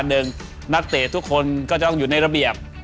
หนึ่งนักเตะทุกคนก็จะต้องอยู่ในระเบียบ